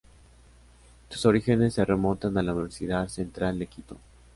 Sus orígenes se remontan a la Universidad Central de Quito.